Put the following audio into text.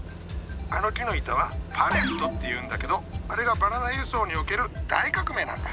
あの木の板はパレットっていうんだけどあれがバナナ輸送における大革命なんだ。